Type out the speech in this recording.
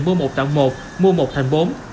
mua một tặng một mua một tặng bốn